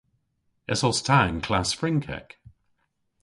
Esos ta y'n klass Frynkek?